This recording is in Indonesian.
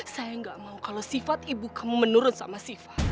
saya nggak mau kalau sifat ibu kamu menurun sama sifa